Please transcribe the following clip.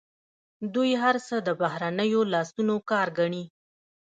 دوی هر څه د بهرنیو لاسونو کار ګڼي.